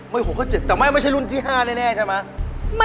๖ก็๗แต่ไม่ใช่รุ่นที่๕แน่ใช่ไหม